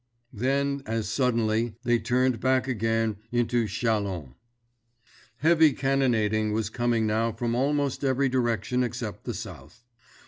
Then, as suddenly, they turned back again into Châlons. Heavy cannonading was coming now from almost every direction except the south.